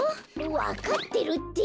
わかってるって！